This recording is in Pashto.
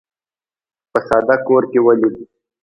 په ساده کور کې ولید.